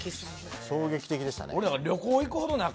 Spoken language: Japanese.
衝撃的でしたね